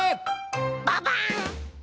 ババン！